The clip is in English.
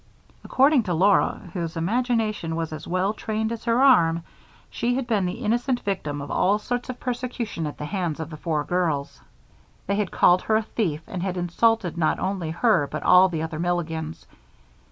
According to Laura, whose imagination was as well trained as her arm, she had been the innocent victim of all sorts of persecution at the hands of the four girls. They had called her a thief and had insulted not only her but all the other Milligans.